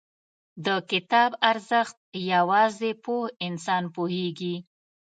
• د کتاب ارزښت، یوازې پوه انسان پوهېږي.